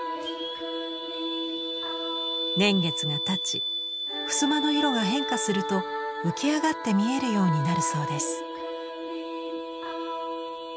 年月がたち襖の色が変化すると浮き上がって見えるようになるそうです。